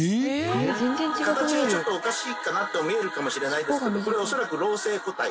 形がちょっとおかしいかなと見えるかもしれないですけどこれ恐らく老成個体。